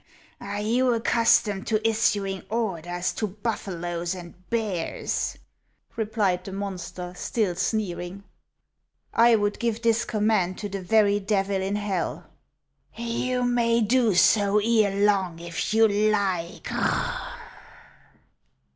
" Are you accustomed to issuing orders to buffaloes and bears ?" replied the monster, still sneering. " I would give this command to the very Devil in hell." "You may do so ere long, if you like."